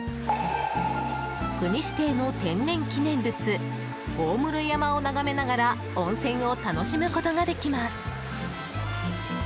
国指定の天然記念物・大室山を眺めながら温泉を楽しむことができます。